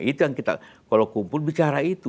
itu yang kita kalau kumpul bicara itu